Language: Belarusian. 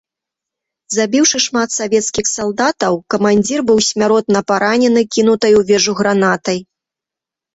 Забіўшы шмат савецкіх салдатаў, камандзір быў смяротна паранены кінутай у вежу гранатай.